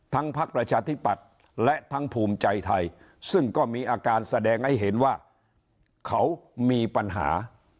พักประชาธิปัตย์และทั้งภูมิใจไทยซึ่งก็มีอาการแสดงให้เห็นว่าเขามีปัญหา